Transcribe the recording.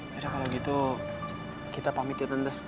yaudah kalau gitu kita pamit ya tante